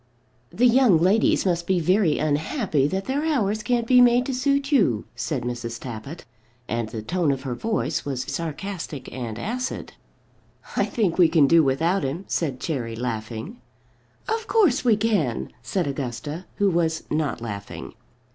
"The young ladies must be very unhappy that their hours can't be made to suit you," said Mrs. Tappitt, and the tone of her voice was sarcastic and acid. "I think we can do without him," said Cherry, laughing. "Of course we can," said Augusta, who was not laughing.